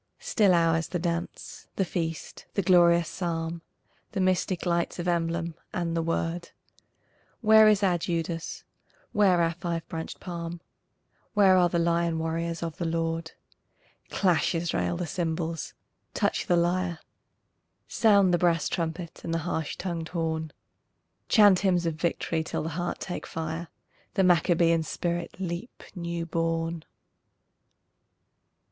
Still ours the dance, the feast, the glorious Psalm, The mystic lights of emblem, and the Word. Where is our Judas? Where our five branched palm? Where are the lion warriors of the Lord? Clash, Israel, the cymbals, touch the lyre, Sound the brass trumpet and the harsh tongued horn, Chant hymns of victory till the heart take fire, The Maccabean spirit leap new born!